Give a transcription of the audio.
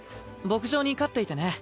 牧場に飼っていてね。